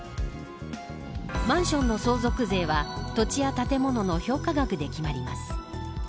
マンションの相続税は土地や建物の評価額で決まります。